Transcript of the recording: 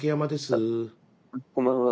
こんばんは。